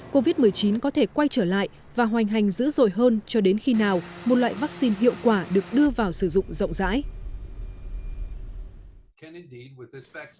covid một mươi chín có thể quay trở lại và hoành hành dữ dội hơn cho đến khi nào một loại vaccine hiệu quả được đưa vào sử dụng rộng rãi